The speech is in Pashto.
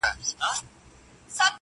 • ښخ کړﺉ هدیره کي ما د هغو مېړنو تر څنګ,